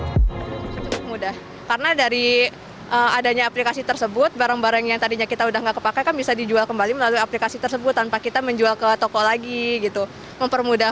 cukup mudah karena dari adanya aplikasi tersebut barang barang yang tadinya kita udah nggak kepakai kan bisa dijual kembali melalui aplikasi tersebut tanpa kita menjual ke toko lagi gitu